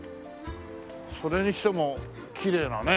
それにしてもきれいなね。